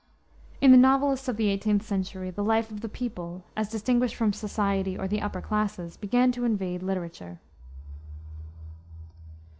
In the novelists of the 18th century, the life of the people, as distinguished from "society" or the upper classes, began to invade literature.